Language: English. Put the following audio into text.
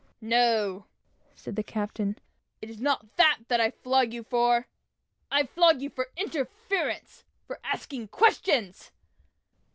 "No," said the captain, "it is not that that I flog you for; I flog you for your interference for asking questions."